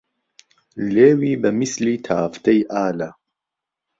لێوی به میسلی تافتەى ئاله